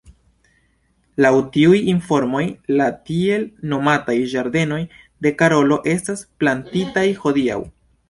Laŭ tiuj informoj la tiel nomataj ĝardenoj de Karolo estas plantitaj hodiaŭ.